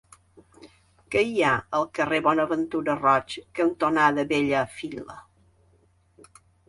Què hi ha al carrer Bonaventura Roig cantonada Bellafila?